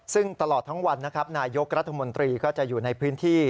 ซึ่งตลอดทั้งวันนะครับนายกรัฐมนตรีก็จะอยู่ในพื้นที่